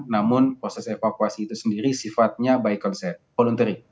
namun proses evakuasi itu sendiri sifatnya by voluntary